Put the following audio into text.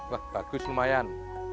wah bagus lumayan